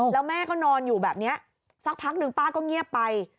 แล้วแม่ก็นอนอยู่แบบนี้สักพักหนึ่งป้าก็เงียบไป